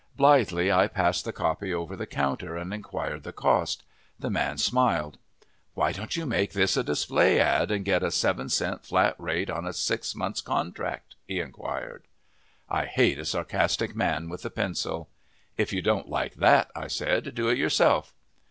Blithely I passed the copy over the counter and inquired the cost. The man smiled. "Why don't you make this a display ad. and get a seven cent flat rate on a six months' contract?" he inquired. I hate a sarcastic man with a pencil. "If you don't like that," I said, "do it yourself!"